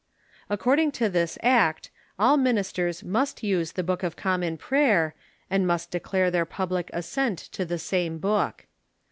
Ac cording to this act all ministers must use the Book of Common Prayer, and must declare their public assent to the same book.